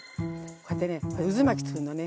こうやってね渦巻きつくるのね。